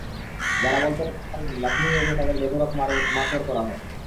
যারা বলতে পারেনি, লাঠি নিয়ে এসে তাদের বেধড়ক মারধর করা হয়।